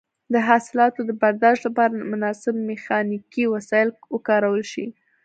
د حاصلاتو د برداشت لپاره مناسب میخانیکي وسایل وکارول شي.